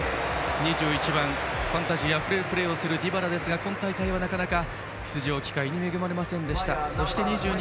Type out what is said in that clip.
２１番、ファンタジーあふれるプレーをするディバラですが今大会は出場機会に恵まれず。